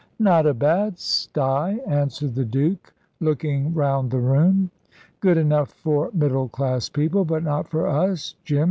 "Not a bad sty," answered the Duke, looking round the room. "Good enough for middle class people, but not for us, Jim.